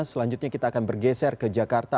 selanjutnya kita akan bergeser ke jakarta